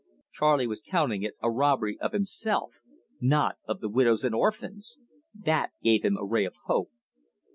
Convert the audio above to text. Charley was counting it a robbery of himself, not of the widows and orphans! That gave him a ray of hope.